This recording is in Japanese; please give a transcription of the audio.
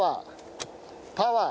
パワー！